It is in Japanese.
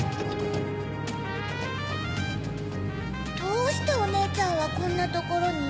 どうしておねえちゃんはこんなところに？